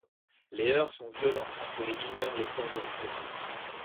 Les heurts sont violents entre les mineurs les forces de répression.